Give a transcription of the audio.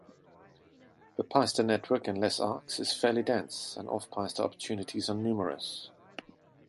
The piste network in Les Arcs is fairly dense, and off-piste opportunities are numerous.